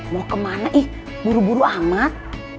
mau kemana ih buru buru amat